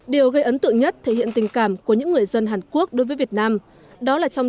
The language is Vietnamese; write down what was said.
điều gây ấn tượng nhất thể hiện tình cảm của những người dân hàn quốc đối với việt nam đó là trong